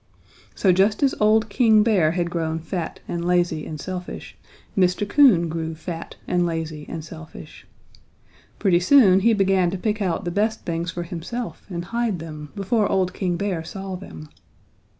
"So just as old King Bear had grown fat and lazy and selfish, Mr. Coon grew fat and lazy and selfish. Pretty soon he began to pick out the best things for himself and hide them before old King Bear saw them.